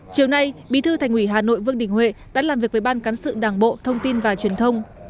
chiều nay bí thư thành ủy hà nội vương đình huệ đã làm việc với ban cán sự đảng bộ thông tin và truyền thông